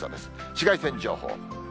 紫外線情報。